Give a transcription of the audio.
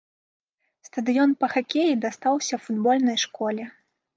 Стадыён па хакеі дастаўся футбольнай школе.